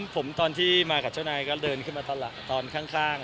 ผมตอนที่มากับเจ้านายก็เดินขึ้นมาตอนข้าง